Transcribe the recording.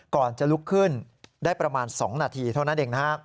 ก่อนจะลุกขึ้นได้ประมาณ๒นาทีเท่านั้นเองนะฮะ